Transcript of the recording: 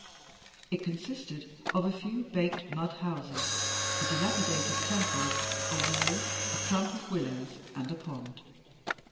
It consisted of a few baked mud houses, a dilapidated temple, a wall, a clump of willows, and a pond.